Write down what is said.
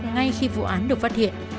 ngay khi vụ án được phát hiện